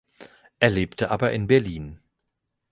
Er lebt aber in Berlin.